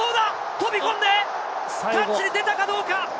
飛び込んで、タッチに出たかどうか。